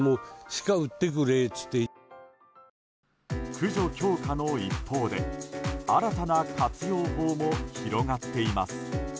駆除強化の一方で新たな活用法も広がっています。